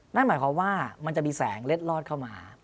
นั่นหมายความว่ามันจะมีแสงเล็ดลอดเข้ามา